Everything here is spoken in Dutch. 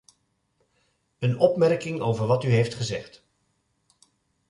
Een opmerking over wat u heeft gezegd.